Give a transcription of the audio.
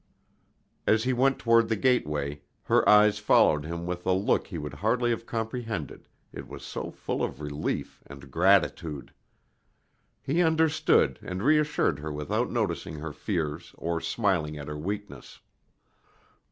As he went toward the gateway, her eyes followed him with a look he would hardly have comprehended, it was so full of relief and gratitude. He understood and reassured her without noticing her fears or smiling at her weakness.